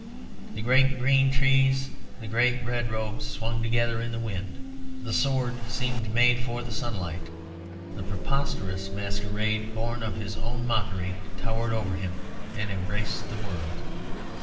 The great green trees and the great red robes swung together in the wind. The sword seemed made for the sunlight. The preposterous masquerade, born of his own mockery, towered over him and embraced the world.